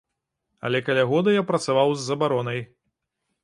Але каля года я працаваў з забаронай.